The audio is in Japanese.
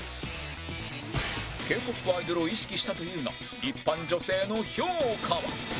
Ｋ−ＰＯＰ アイドルを意識したというが一般女性の評価は？